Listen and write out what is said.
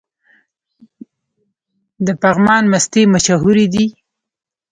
د پګمان مستې مشهورې دي؟